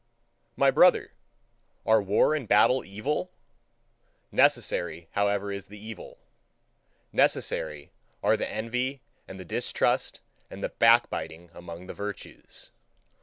My brother, are war and battle evil? Necessary, however, is the evil; necessary are the envy and the distrust and the back biting among the virtues.